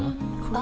あ！